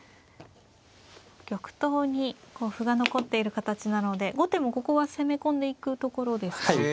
玉頭に歩が残っている形なので後手もここは攻め込んでいくところですか。